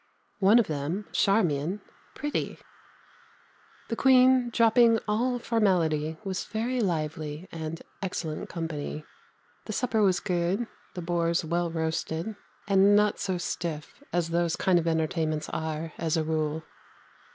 One of them, Charmian, pretty. The Queen, dropping all formality, was very lively and excellent company. The supper was good (the boars well roasted) and not so stiff as those kind of entertainments are as a rule.